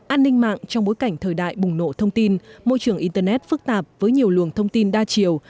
an ninh mạng trong bối cảnh thời đại bùng nổ thông tin môi trường internet phức tạp với nhiều luồng thông tin đa chiều